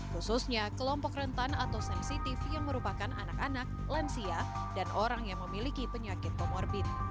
khususnya kelompok rentan atau sensitif yang merupakan anak anak lansia dan orang yang memiliki penyakit komorbit